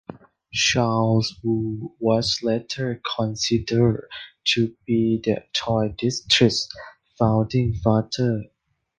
Charles Woo was later considered to be the Toy District's founding father.